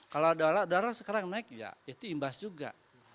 kalau dolar dolar sekarang naik ya itu imbas juga